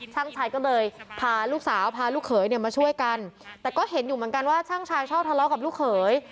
ชายก็เลยพาลูกสาวพาลูกเขยเนี่ยมาช่วยกันแต่ก็เห็นอยู่เหมือนกันว่าช่างชายชอบทะเลาะกับลูกเขย